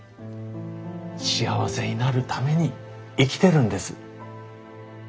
幸せになるために生きてるんです。